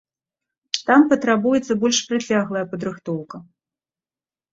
Там патрабуецца больш працяглая падрыхтоўка.